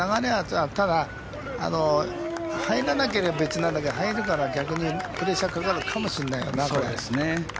入らなければ別なんだけど入るなら逆にプレッシャーがかかるかもしれないよな。